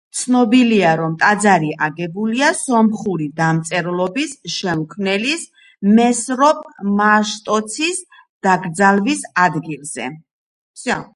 ცნობილია, რომ ტაძარი აგებულია სომხური დამწერლობის შემქმნელის, მესროპ მაშტოცის დაკრძალვის ადგილზე.